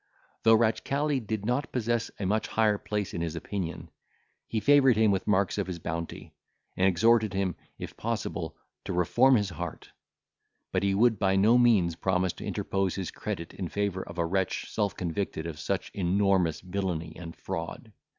Though Ratchcali did not possess a much higher place in his opinion, he favoured him with marks of his bounty, and exhorted him, if possible, to reform his heart; but he would by no means promise to interpose his credit in favour of a wretch self convicted of such enormous villany and fraud.